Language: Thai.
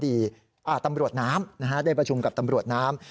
ได้ประชุมกับตำรวจน้ำ